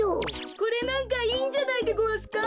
これなんかいいんじゃないでごわすか？